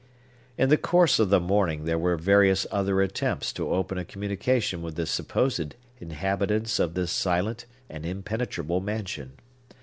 In the course of the morning, there were various other attempts to open a communication with the supposed inhabitants of this silent and impenetrable mansion.